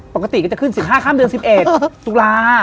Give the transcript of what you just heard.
ปกติก็จะขึ้น๑๕ค่ำเดือน๑๑ตุลา